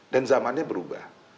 dan zamannya berubah